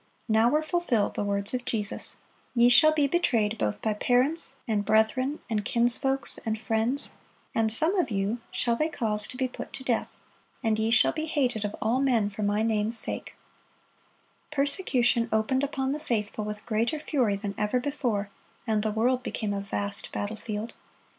Now were fulfilled the words of Jesus: "Ye shall be betrayed both by parents, and brethren, and kins folks, and friends; and some of you shall they cause to be put to death. And ye shall be hated of all men for My name's sake."(82) Persecution opened upon the faithful with greater fury than ever before, and the world became a vast battle field.